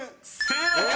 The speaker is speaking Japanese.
［正解！